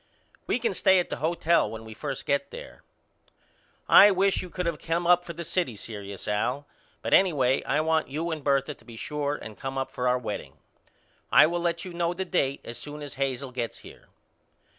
We can stay at the hotel when we first get there. I wish you could of came up for the city serious Al but anyway I want you and Bertha to be sure and come up for our wedding. I will let you know the date as soon as Hazel gets here.